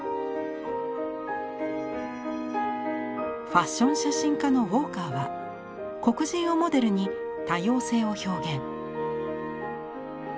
ファッション写真家のウォーカーは黒人をモデルに多様性を表現。